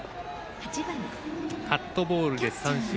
カットボールで三振。